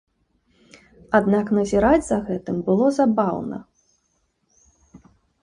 Аднак назіраць за гэтым было забаўна.